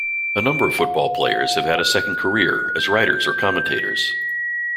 A number of football players have had a second career as writers or commentators.